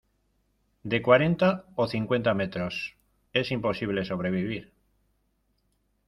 de cuarenta o cincuenta metros, es imposible sobrevivir.